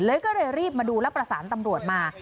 ก็เลยรีบมาดูแล้วประสานตำรวจมา